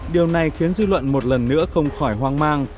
điều này khiến dư luận một lần nữa không khỏi hoang mang